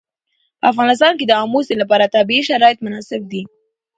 په افغانستان کې د آمو سیند لپاره طبیعي شرایط مناسب دي.